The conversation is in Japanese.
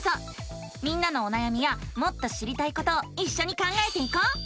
みんなのおなやみやもっと知りたいことをいっしょに考えていこう！